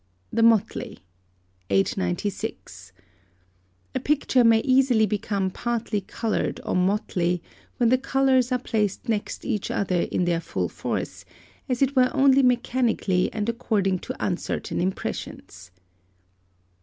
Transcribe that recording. THE MOTLEY. 896. A picture may easily become party coloured or motley, when the colours are placed next each other in their full force, as it were only mechanically and according to uncertain impressions.